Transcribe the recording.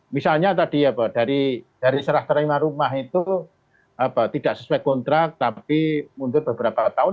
misalnya tadi ya pak dari serah terima rumah itu tidak sesuai kontrak tapi mundur beberapa tahun